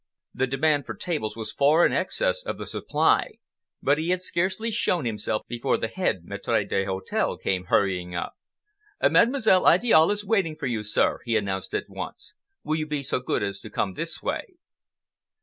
The demand for tables was far in excess of the supply, but he had scarcely shown himself before the head maitre d'hotel came hurrying up. "Mademoiselle Idiale is waiting for you, sir," he announced at once. "Will you be so good as to come this way?"